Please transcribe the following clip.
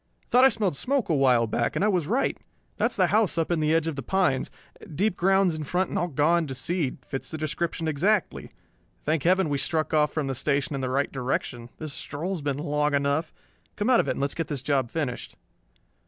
"Thought I smelled smoke a while back, and I was right. That's the house up in the edge of the pines. Deep grounds in front and all gone to seed; fits the description exactly. Thank Heaven we struck off from the station in the right direction. This stroll has been long enough. Come out of it and let's get this job finished."